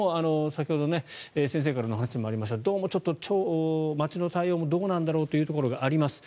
先ほど先生からの話もありました町の対応もどうなんだろうというところがあります。